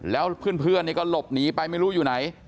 แล้วเพื่อนก็หลบหนีไปไม่รู้อยู่ไหน